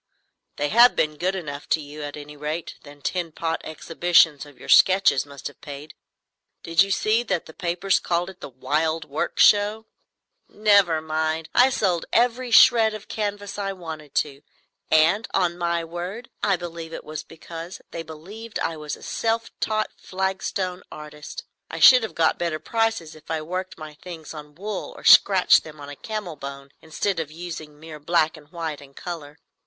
"They have been good enough to you, at any rate. That tin pot exhibition of your sketches must have paid. Did you see that the papers called it the 'Wild Work Show'?" "Never mind. I sold every shred of canvas I wanted to; and, on my word, I believe it was because they believed I was a self taught flagstone artist. I should have got better prices if I worked my things on wool or scratched them on camel bone instead of using mere black and white and colour.